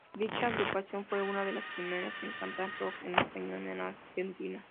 Dicha agrupación fue una de las primeras en cantar rock en español en Argentina.